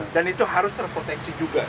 dan itu harus terproteksi juga